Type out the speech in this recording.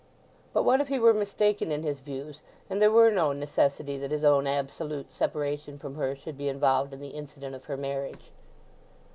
But what if he were mistaken in his views, and there were no necessity that his own absolute separation from her should be involved in the incident of her marriage?